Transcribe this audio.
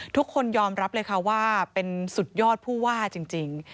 ทุกคนยอมรับเลยค่ะว่าเป็นสุดยอดผู้ว่าจริง